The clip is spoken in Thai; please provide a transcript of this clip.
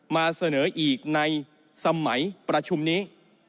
มาเสนออีกในสมัยประชุมนี้